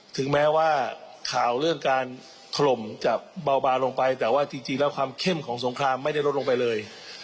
ถึงแม้ว่าข่าวเรื่องการถล่มจะเบาบางลงไปแต่ว่าจริงแล้วความเข้มของสงครามไม่ได้ลดลงไปเลย